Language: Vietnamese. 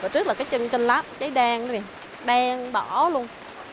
trước là cái chân kênh lát cháy đen đó nè đen bỏ luôn